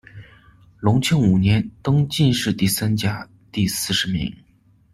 隆庆五年，登进士第三甲第四十名。